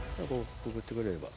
くくってくれれば。